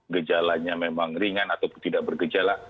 gejalanya memang ringan ataupun tidak bergejala